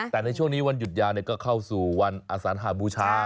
แต่ในช่วงนี้วันหยุดยาวก็เข้าสู่วันอสัญหาบูชา